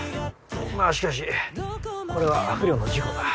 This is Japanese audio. まあしかしこれは不慮の事故だ。